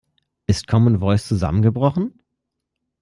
Ist Common Voice zusammengebrochen?